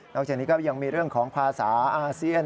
จากนี้ก็ยังมีเรื่องของภาษาอาเซียน